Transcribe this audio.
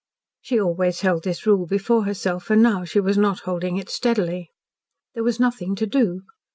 She always held this rule before herself, and now she was not holding it steadily. There was nothing to do.